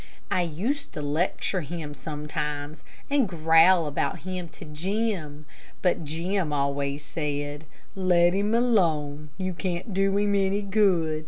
I used to lecture him sometimes, and growl about him to Jim, but Jim always said, "Let him alone. You can't do him any good.